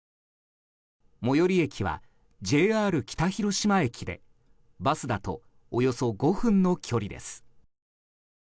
最寄り駅はＪＲ北広島駅でバスだとおよそ５分の距離です。